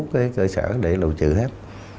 cái cơ sở để lộ trừ hết